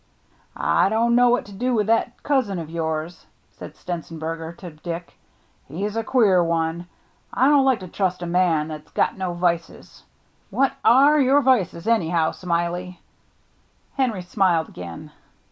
" I don't know what to do with that cousin of yours," said Stenzenberger to Dick. " He's a queer one. I don't like to trust a man that's got no vices. What are your vices, anyhow. Smiley?" Henry smiled again.